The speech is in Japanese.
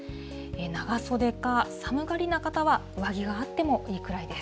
長袖か、寒がりな方は、上着があってもいいくらいです。